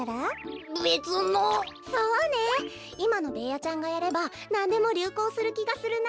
いまのベーヤちゃんがやればなんでもりゅうこうするきがするな。